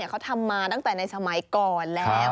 เขาทำมาตั้งแต่ในสมัยก่อนแล้ว